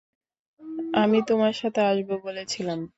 আমি তোমার সাথে আসবো বলেছিলাম।